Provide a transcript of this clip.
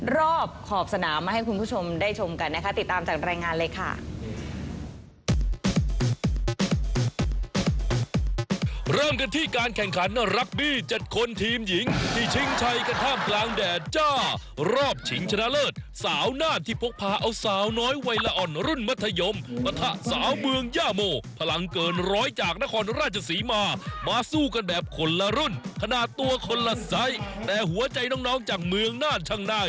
รอบขอบสนามมาให้คุณผู้ชมได้ชมกันนะคะติดตามจากรายงานเลยค่ะ